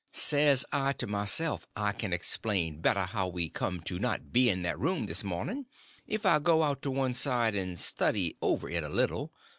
Says I to myself, I can explain better how we come to not be in that room this morning if I go out to one side and study over it a little.